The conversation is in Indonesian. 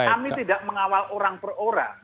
kami tidak mengawal orang per orang